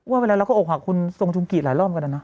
ว่าไปแล้วเราก็โอกหักคุณทรงจุงกรีดหลายรอบกันนะ